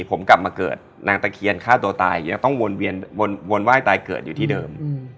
ผมกลับมาเกิดนางตะเคียนฆ่าตัวตายยังต้องวนไหว้ตายเกิดอยู่ที่เดิม